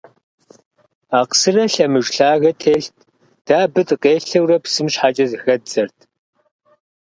Акъсырэ лъэмыж лъагэ телът, дэ абы дыкъелъэурэ псым щхьэкӏэ зыхэддзэрт.